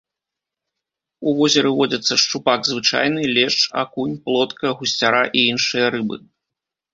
У возеры водзяцца шчупак звычайны, лешч, акунь, плотка, гусцяра і іншыя рыбы.